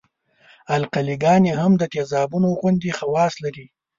القلي ګانې هم د تیزابونو غوندې خواص لري.